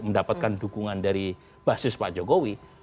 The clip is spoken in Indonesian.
mendapatkan dukungan dari basis pak jokowi